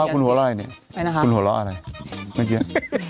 คุณหัวล่าคุณหัวล่าไอเนี้ย